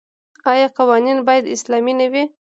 آیا قوانین باید اسلامي نه وي؟